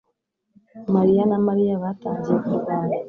mariya na Mariya batangiye kurwana